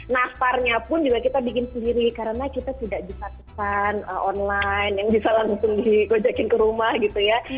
naftarnya pun juga kita bikin sendiri karena kita tidak disatukan online yang bisa langsung dikajakin ke rumah gitu ya